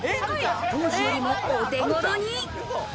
当時よりもお手頃に。